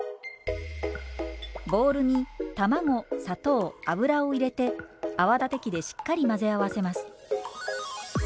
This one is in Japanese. ボウルに卵砂糖油を入れて泡立て器でしっかり混ぜ合わせます。